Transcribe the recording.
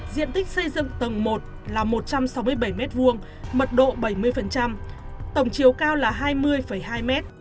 diện tích xây dựng tầng một là một trăm sáu mươi bảy m hai mật độ bảy mươi tổng chiều cao là hai mươi hai m